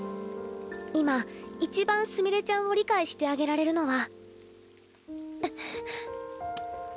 今一番すみれちゃんを理解してあげられるのは。